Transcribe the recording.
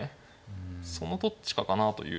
そのどっちかかなという。